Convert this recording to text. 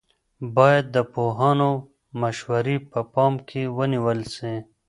باید د پوهانو مشورې په پام کې ونیول سي.